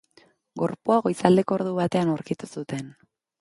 Gorpua goizaldeko ordu batean aurkitu zuten.